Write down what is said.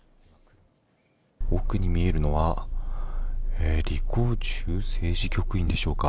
奥に見えるのは、リ・コウチュウ政治局員でしょうか。